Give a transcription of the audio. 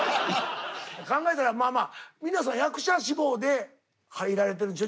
考えたらまあまあ皆さん役者志望で入られてるんでしょ？